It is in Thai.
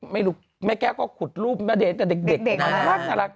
ไม่รู้แม่แก้วก็ขุดรูปณเดชน์กับเด็กน่ารัก